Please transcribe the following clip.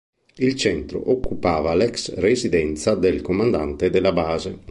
Il Centro occupava l'ex residenza del comandante della base.